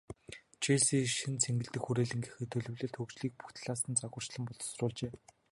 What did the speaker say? Челси шинэ цэнгэлдэх хүрээлэнгийнхээ төлөвлөлт, хөгжлийг бүх талаас нь загварчлан боловсруулжээ.